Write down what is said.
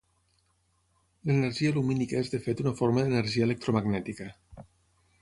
L'energia lumínica és de fet una forma d'energia electromagnètica.